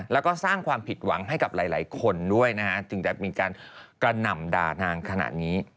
แล้วก็สร้างความผิดหวังให้กับหลายคนด้วยนะฮะจึงจะมีการกระหน่ำด่านางขนาดนี้